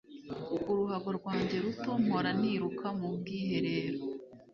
Uruhago rwanjye ruto mpora niruka mu bwiherero.